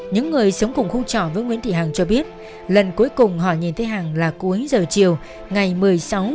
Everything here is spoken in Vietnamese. những người sống cùng khu trọ với nguyễn thị hằng cho biết lần cuối cùng họ nhìn thấy hằng là cuối giờ chiều ngày một mươi sáu tháng một mươi một năm hai nghìn một mươi bảy